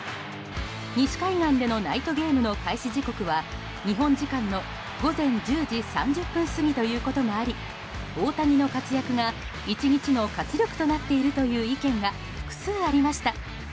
西海岸でのナイトゲームの開始時刻は日本時間の午前１０時３０分過ぎということもあり大谷の活躍が１日の活力となっているという意見が複数ありました。